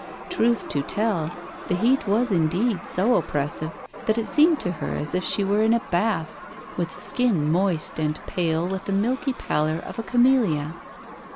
Truth to tell, the heat was indeed so oppressive that it seemed to her as if she were in a bath, with skin moist and pale with the milky pallor of a camellia.